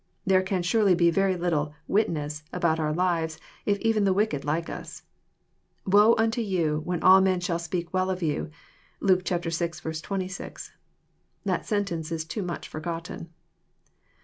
There can surely be very little " witness " about our lives if even the wicked like us. Woe unto you when all men sfialTspea^ well of you." (Luke vi. 26.) That sentence is too much forgotten.